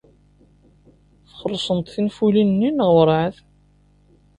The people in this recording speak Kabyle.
Txellṣemt tinfulin-nni neɣ werɛad?